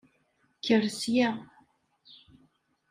Kker sya!